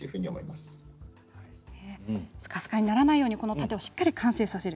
すかすかにならないようにこの盾をしっかりと完成させる。